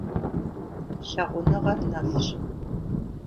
Лъагъуныгъэр нэфщ.